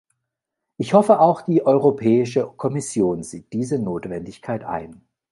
Ich hoffe, auch die Europäische Kommission sieht diese Notwendigkeit ein.